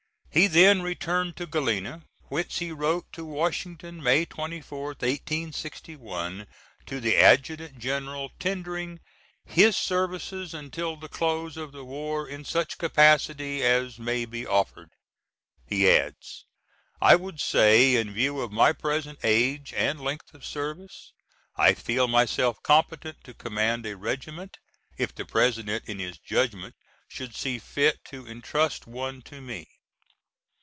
He then returned to Galena whence he wrote to Washington, May 24, 1861, to the adjutant general, tendering "his services until the close of the war in such capacity as may be offered." He adds, "I would say in view of my present age and length of service, I feel myself competent to command a regiment, if the President in his judgment should see fit to intrust one to me."